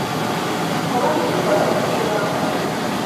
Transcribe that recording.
ওনাকে কী বলা উচিত ছিল আমার?